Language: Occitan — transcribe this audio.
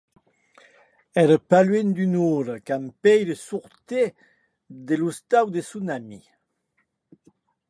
Qu’ère mès dera ua quan Pierre gessie dera casa deth sòn amic.